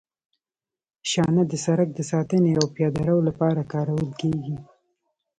شانه د سرک د ساتنې او پیاده رو لپاره کارول کیږي